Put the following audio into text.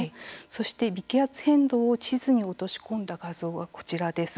そして微気圧変動を地図に落とし込んだ画像がこちらです。